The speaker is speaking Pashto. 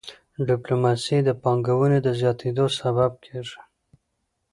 ډيپلوماسي د پانګوني د زیاتيدو سبب کېږي.